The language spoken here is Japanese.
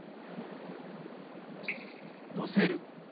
「載せる」。